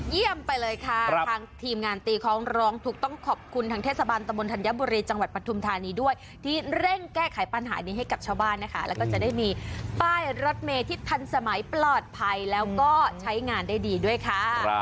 ไปเลยค่ะทางทีมงานตีของร้องถูกต้องขอบคุณทางเทศบาลตะมนตัญบุรีจังหวัดปทุมธานีด้วยที่เร่งแก้ไขปัญหานี้ให้กับชาวบ้านนะคะแล้วก็จะได้มีป้ายรถเมย์ที่ทันสมัยปลอดภัยแล้วก็ใช้งานได้ดีด้วยค่ะ